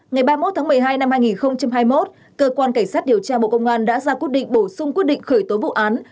ngày ba mươi một tháng một mươi hai năm hai nghìn hai mươi một cơ quan cảnh sát điều tra bộ công an đã ra quyết định bổ sung quyết định khởi tố vụ án